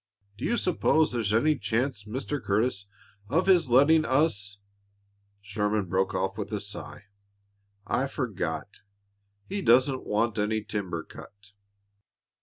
Do you s'pose there's any chance, Mr. Curtis, of his letting us " Sherman broke off with a sigh. "I forgot. He doesn't want any timber cut."